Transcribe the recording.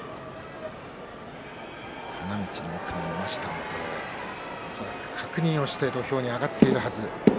花道の奥にいましたので確認をして土俵に上がっているはずです。